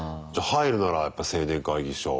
入るならやっぱ青年会議所。